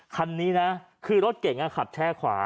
คันนี้นะคือรถเก่งขับแช่ขวา